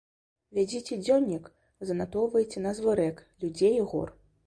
Вядзіце дзённік, занатоўвайце назвы рэк, людзей і гор.